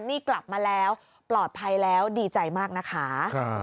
นี่กลับมาแล้วปลอดภัยแล้วดีใจมากนะคะ